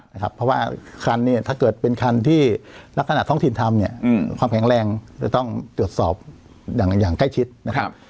เพราะว่าคันเนี่ยถ้าเกิดเป็นคันที่ลักษณะท้องถิ่นทำเนี่ยความแข็งแรงจะต้องตรวจสอบอย่างใกล้ชิดนะครับ